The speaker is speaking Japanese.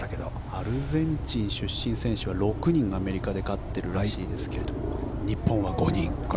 アルゼンチン出身選手は６人アメリカで勝っていますが日本は５人。